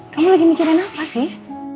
kamu lagi mikirin apa sih